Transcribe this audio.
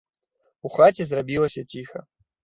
У хаце зрабілася ціха.